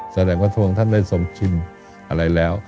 แสดงว่าพระองค์ท่านได้ทรงชิมอะไรแล้ว